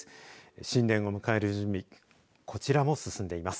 新年を迎える準備こちらも進んでいます。